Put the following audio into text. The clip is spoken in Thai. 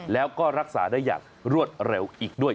แล้วก็รักษาได้อย่างรวดเร็วอีกด้วย